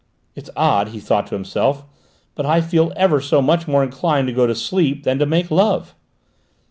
"It's odd," he thought to himself, "but I feel ever so much more inclined to go to sleep than to make love."